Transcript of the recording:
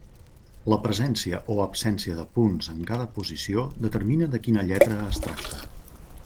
La presència o absència de punts en cada posició determina de quina lletra es tracta.